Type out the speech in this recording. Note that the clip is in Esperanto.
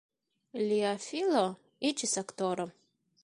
Lia filo iĝis aktoro.